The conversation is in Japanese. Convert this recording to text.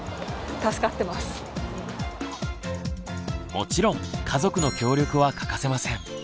もちろん家族の協力は欠かせません。